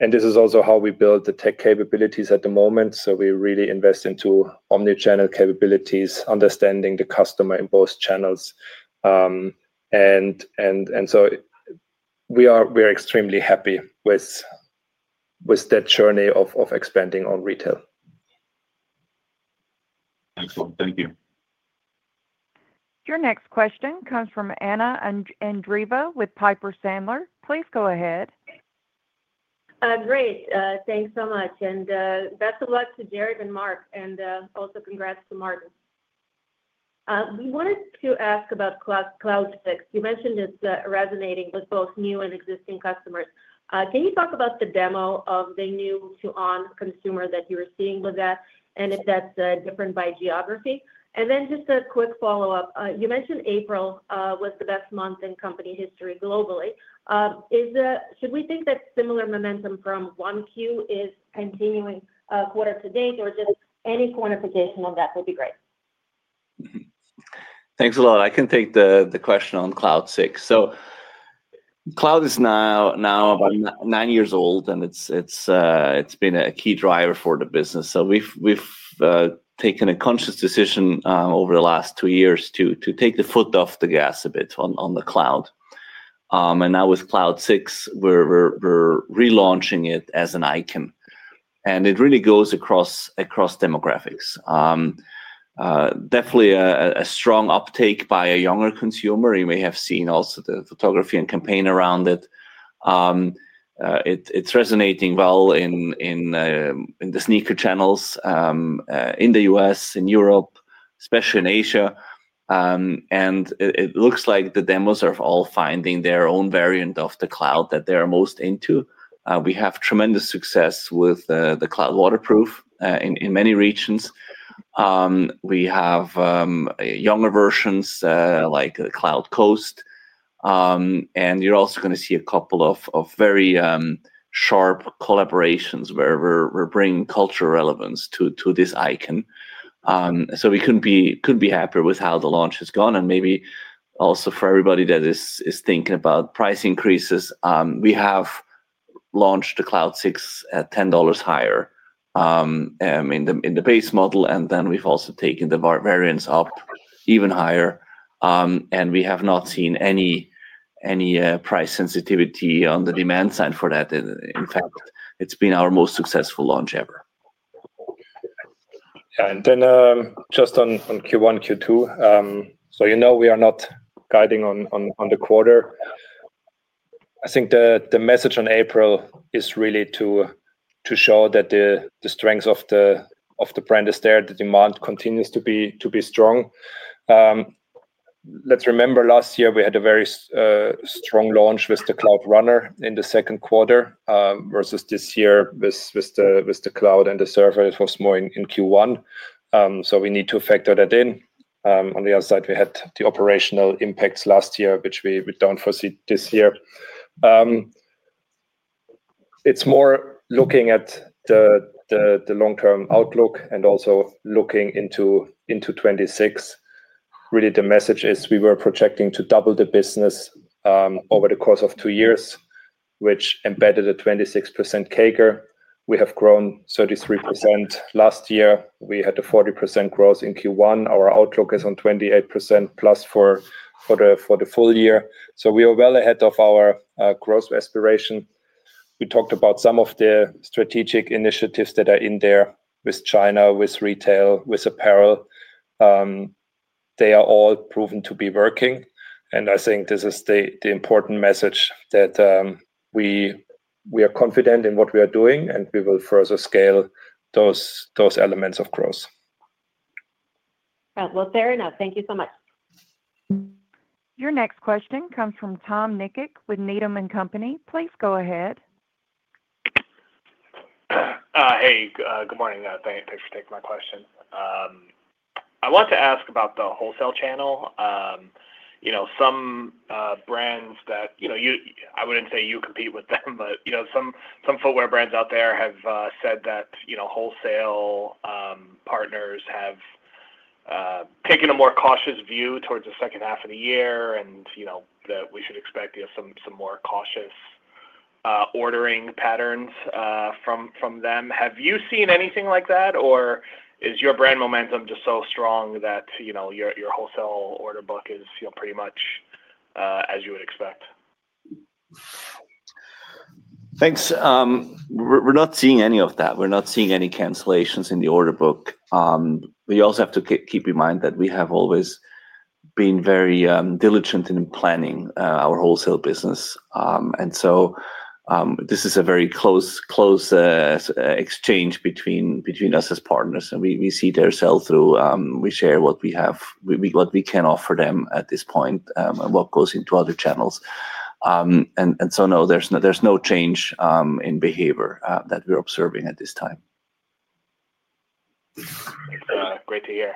This is also how we build the tech capabilities at the moment. We really invest into omnichannel capabilities, understanding the customer in both channels. We are extremely happy with that journey of expanding On retail. Excellent. Thank you. Your next question comes from Anna Andreeva with Piper Sandler. Please go ahead. Great. Thanks so much. Best of luck to Jerrit and Mark. Also, congrats to Martin. We wanted to ask about Cloud 6. You mentioned it's resonating with both new and existing customers. Can you talk about the demo of the new-to-On consumer that you were seeing with that, and if that's different by geography? And then just a quick follow-up. You mentioned April was the best month in company history globally. Should we think that similar momentum from Q1 is continuing quarter to date, or just any quantification on that would be great? Thanks a lot. I can take the question on Cloud 6. Cloud is now about nine years old, and it's been a key driver for the business. We've taken a conscious decision over the last two years to take the foot off the gas a bit on Cloud. Now with Cloud 6, we're relaunching it as an icon. It really goes across demographics. Definitely a strong uptake by a younger consumer. You may have seen also the photography and campaign around it. It's resonating well in the sneaker channels in the U.S., in Europe, especially in Asia. It looks like the demos are all finding their own variant of the Cloud that they're most into. We have tremendous success with the Cloud Waterproof in many regions. We have younger versions like Cloud Coast. You're also going to see a couple of very sharp collaborations where we're bringing cultural relevance to this icon. We couldn't be happier with how the launch has gone. Maybe also for everybody that is thinking about price increases, we have launched the Cloud 6 at $10 higher in the base model. We've also taken the variants up even higher. We have not seen any price sensitivity on the demand side for that. In fact, it's been our most successful launch ever. Just on Q1-Q2, you know we are not guiding on the quarter. I think the message on April is really to show that the strength of the brand is there. The demand continues to be strong. Let's remember last year we had a very strong launch with the Cloud Runner in the second quarter versus this year with the Cloud and the Surfer. It was more in Q1. We need to factor that in. On the other side, we had the operational impacts last year, which we do not foresee this year. It is more looking at the long-term outlook and also looking into 2026. Really, the message is we were projecting to double the business over the course of two years, which embedded a 26% CAGR. We have grown 33% last year. We had a 40% growth in Q1. Our outlook is on 28% plus for the full year. We are well ahead of our growth aspiration. We talked about some of the strategic initiatives that are in there with China, with retail, with apparel. They are all proven to be working. I think this is the important message that we are confident in what we are doing, and we will further scale those elements of growth. That was fair enough. Thank you so much. Your next question comes from Tom Nikic with Needham & Company. Please go ahead. Hey, good morning. Thanks for taking my question. I wanted to ask about the wholesale channel. Some brands that I wouldn't say you compete with them, but some footwear brands out there have said that wholesale partners have taken a more cautious view towards the second half of the year and that we should expect some more cautious ordering patterns from them. Have you seen anything like that, or is your brand momentum just so strong that your wholesale order book is pretty much as you would expect? Thanks. We're not seeing any of that. We're not seeing any cancellations in the order book. We also have to keep in mind that we have always been very diligent in planning our wholesale business. This is a very close exchange between us as partners. We see their sell-through. We share what we can offer them at this point and what goes into other channels. No, there's no change in behavior that we're observing at this time. Great to hear.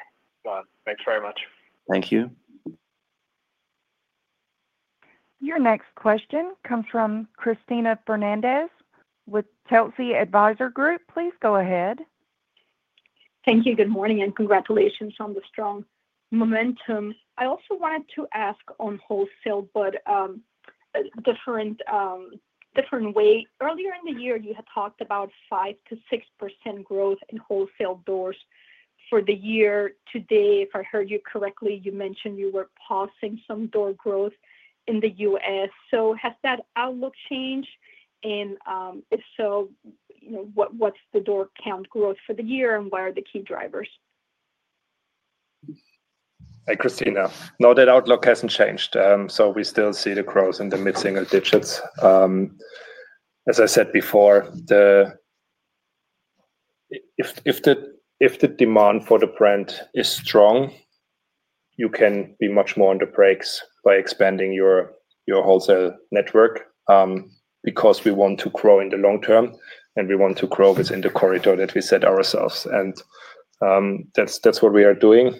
Thanks very much. Thank you. Your next question comes from Cristina Fernández with Telsey Advisory Group. Please go ahead. Thank you. Good morning and congratulations on the strong momentum. I also wanted to ask on wholesale, but in a different way. Earlier in the year, you had talked about 5%-6% growth in wholesale doors for the year. Today, if I heard you correctly, you mentioned you were pausing some door growth in the U.S. Has that outlook changed? If so, what's the door count growth for the year, and what are the key drivers? Hey, Cristina. No, that outlook hasn't changed. We still see the growth in the mid-single digits. As I said before, if the demand for the brand is strong, you can be much more on the brakes by expanding your wholesale network because we want to grow in the long term, and we want to grow within the corridor that we set ourselves. That is what we are doing.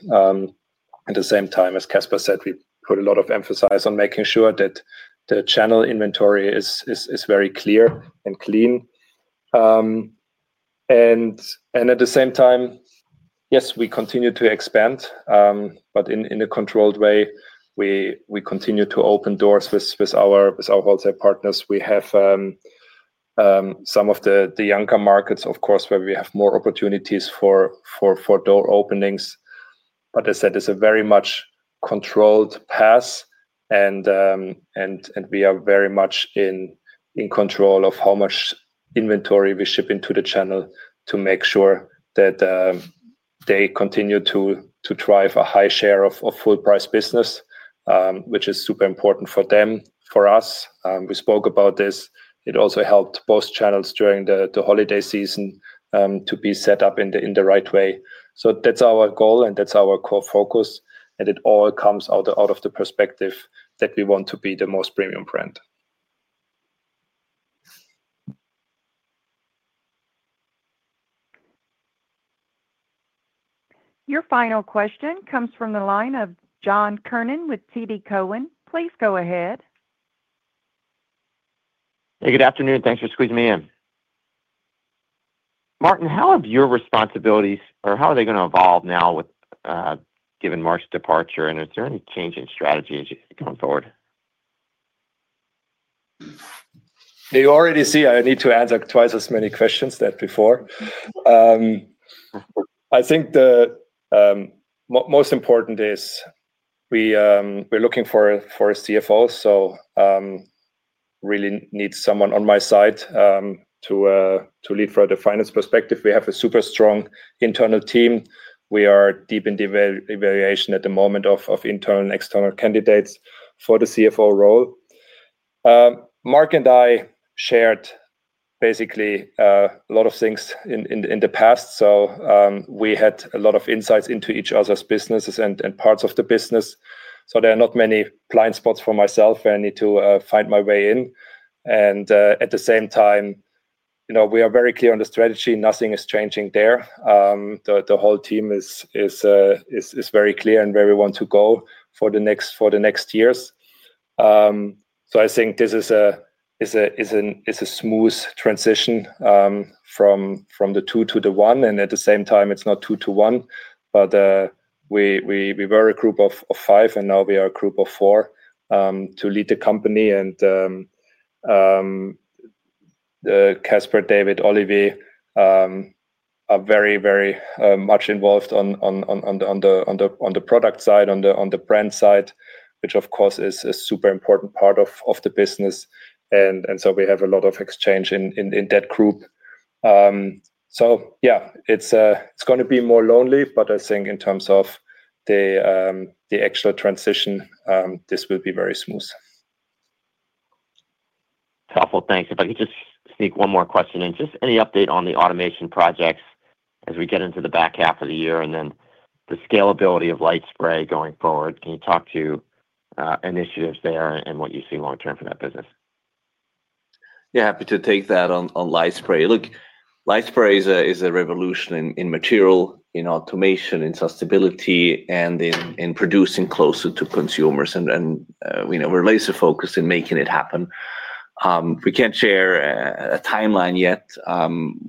At the same time, as Caspar said, we put a lot of emphasis on making sure that the channel inventory is very clear and clean. At the same time, yes, we continue to expand, but in a controlled way. We continue to open doors with our wholesale partners. We have some of the younger markets, of course, where we have more opportunities for door openings. As I said, it's a very much controlled pass, and we are very much in control of how much inventory we ship into the channel to make sure that they continue to drive a high share of full-price business, which is super important for them, for us. We spoke about this. It also helped both channels during the holiday season to be set up in the right way. That's our goal, and that's our core focus. It all comes out of the perspective that we want to be the most premium brand. Your final question comes from the line of John Kernan with TD Cowen. Please go ahead. Hey, good afternoon. Thanks for squeezing me in. Martin, how have your responsibilities, or how are they going to evolve now with Given Mark's departure, and is there any change in strategy going forward? You already see I need to answer twice as many questions than before. I think the most important is we're looking for a CFO, so really need someone on my side to lead from the finance perspective. We have a super strong internal team. We are deep in the evaluation at the moment of internal and external candidates for the CFO role. Mark and I shared basically a lot of things in the past. We had a lot of insights into each other's businesses and parts of the business. There are not many blind spots for myself where I need to find my way in. At the same time, we are very clear on the strategy. Nothing is changing there. The whole team is very clear in where we want to go for the next years. I think this is a smooth transition from the two to the one. At the same time, it's not two to one, but we were a group of five, and now we are a group of four to lead the company. Caspar, David, Olivier are very, very much involved on the product side, on the brand side, which, of course, is a super important part of the business. We have a lot of exchange in that group. Yeah, it's going to be more lonely, but I think in terms of the actual transition, this will be very smooth. Awful. Thanks. If I could just sneak one more question in, just any update on the automation projects as we get into the back half of the year and then the scalability of LightSpray going forward? Can you talk to initiatives there and what you see long-term for that business? Yeah, happy to take that on LightSpray. Look, LightSpray is a revolution in material, in automation, in sustainability, and in producing closer to consumers. And we're laser-focused in making it happen. We can't share a timeline yet.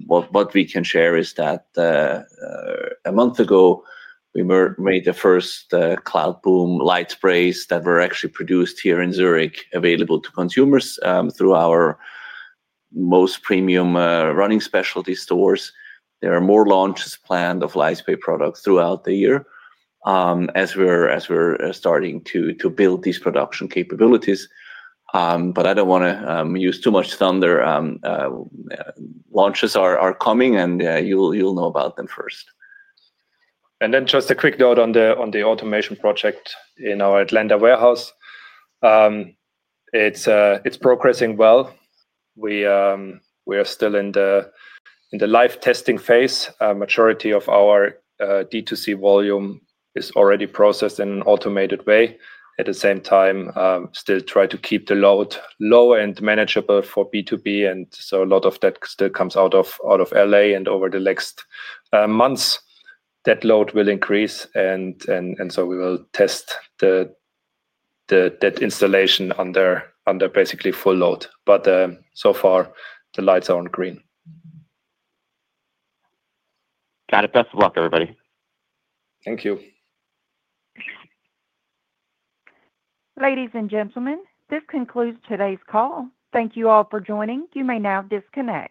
What we can share is that a month ago, we made the first Cloudboom LightSprays that were actually produced here in Zurich available to consumers through our most premium running specialty stores. There are more launches planned of LightSpray products throughout the year as we're starting to build these production capabilities. I don't want to use too much thunder. Launches are coming, and you'll know about them first. Just a quick note on the automation project in our Atlanta warehouse. It's progressing well. We are still in the live testing phase. A majority of our D2C volume is already processed in an automated way. At the same time, still try to keep the load low and manageable for B2B. A lot of that still comes out of LA. Over the next months, that load will increase. We will test that installation under basically full load. So far, the lights are on green. Got it. Best of luck, everybody. Thank you. Ladies and gentlemen, this concludes today's call. Thank you all for joining. You may now disconnect.